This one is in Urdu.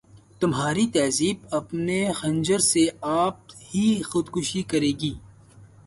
تمہاری تہذیب اپنے خنجر سے آپ ہی خودکشی کرے گی